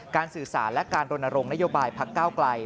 การสื่อสารและการลนโรงนโยบายพักก้าวไกล